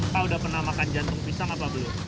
pak udah pernah makan jantung pisang apa belum